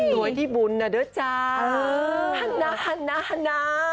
สวยที่บุญอะเด้อจ้าฮันนะฮันนะฮันนะ